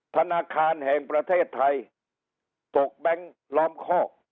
ธนาคารแห่งประเทศไทยตกแบงค์ล้อมคอก